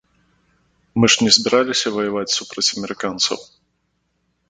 Мы ж не збіраліся ваяваць супраць амерыканцаў.